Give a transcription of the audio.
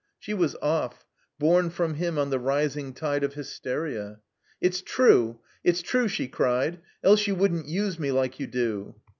She was oflf, borne from him on the rising tide of hysteria. "It's true! It's true!" she cried. "Else you wouldn't use me like you do."